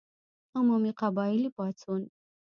عمومي قبایلي پاڅون.